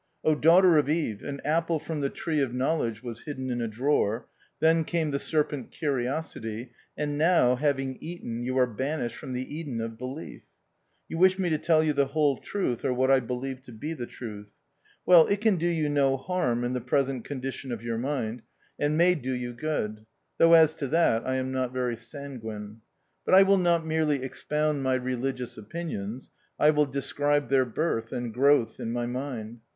I Daughter of Eve, an apple from the Tree of Knowledge was hidden in a drawer ; then came the serpent Curiosity ; and now, having eaten, you are banished from the Eden of belief. You wish me to tell you the whole truth, or what I believe to be the truth. Well, it can do you no harm in the present condition of your mind, and may do D So THE OUTCAST. you good — though as to that I am not very sanguine. But I will not merely expound my religious opinions ; I will describe their birth and growth in my mind.